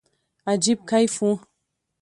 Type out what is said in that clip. عجيب کيف وو.